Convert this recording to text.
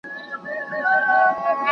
¬ازمويلی څوک نه ازمايي.